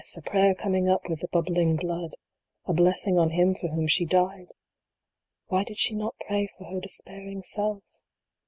a prayer coming up with the bubbling blood a blessing on him for whom she died ! Why did she not pray for her despairing self?